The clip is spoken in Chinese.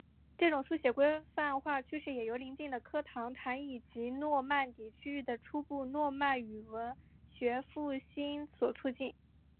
这种书写规范化趋势也由临近的科唐坦以及诺曼底区域的初步诺曼语文学复兴所促进。